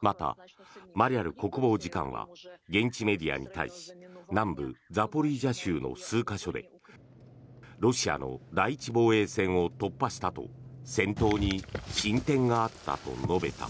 また、マリャル国防次官は現地メディアに対し南部ザポリージャ州の数か所でロシアの第１防衛線を突破したと戦闘に進展があったと述べた。